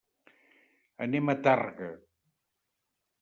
Anem a Tàrrega.